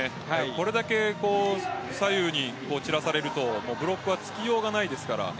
これだけ左右に散らされるとブロックはつきようがないですから。